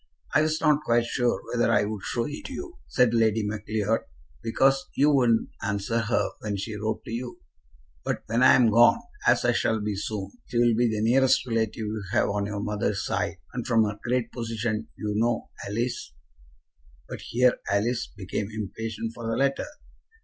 "I was not quite sure whether I'd show it you," said Lady Macleod, "because you wouldn't answer her when she wrote to you. But when I'm gone, as I shall be soon, she will be the nearest relative you have on your mother's side, and from her great position, you know, Alice " But here Alice became impatient for the letter.